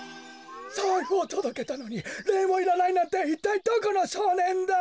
さいふをとどけたのにれいもいらないなんていったいどこのしょうねんだ？